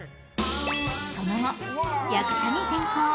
その後、役者に転向。